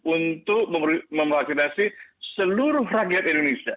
untuk memvaksinasi seluruh rakyat indonesia